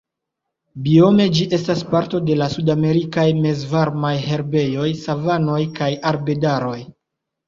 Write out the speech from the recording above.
Biome ĝi estas parto de la sudamerikaj mezvarmaj herbejoj, savanoj kaj arbedaroj.